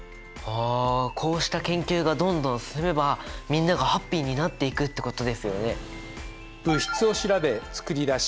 あこうした研究がどんどん進めばみんながハッピーになっていくってことですよね。